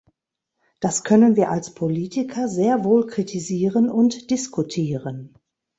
Das können wir als Politiker sehr wohl kritisieren und diskutieren.